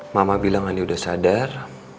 mama bilang ini udah sadar